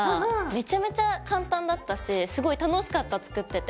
めちゃめちゃ簡単だったしすごい楽しかった作ってて。